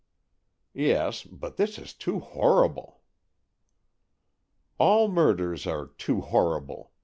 "Yes, but this is too horrible!" "All murders are 'too horrible.